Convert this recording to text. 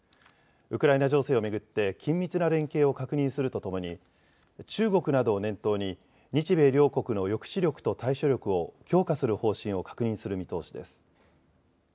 ウクライナ情勢を巡って緊密な連携を確認するとともに中国などを念頭に日米両国の抑止力と対処力を強化する方針を確認する見通しです。